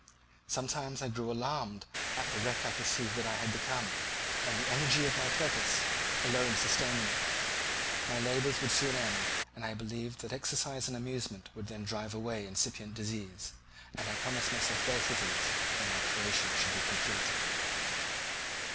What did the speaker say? Sometimes I grew alarmed at the wreck I perceived that I had become; the energy of my purpose alone sustained me: my labours would soon end, and I believed that exercise and amusement would then drive away incipient disease; and I promised myself both of these when my creation should be complete.